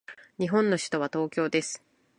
日本の首都は東京です。